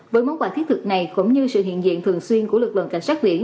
với món quà thiết thực này cũng như sự hiện diện thường xuyên của lực lượng cảnh sát biển